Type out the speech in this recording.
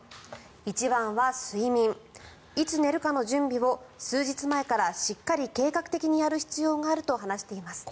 一番は睡眠いつ寝るかの準備を数日前からしっかり計画的にやる必要があると話しています。